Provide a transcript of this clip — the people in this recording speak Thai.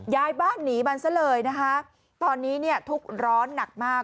ย้ายบ้านหนีมันซะเลยนะคะตอนนี้เนี่ยทุกข์ร้อนหนักมาก